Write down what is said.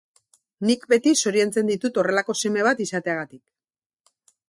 Nik beti zoriontzen ditut horrelako seme bat izateagatik.